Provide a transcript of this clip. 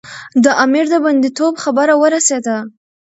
د امیر د بندي توب خبره ورسېده.